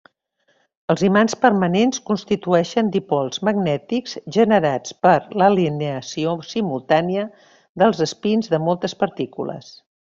Els imants permanents constitueixen dipols magnètics generats per l'alineació simultània dels espins de moltes partícules.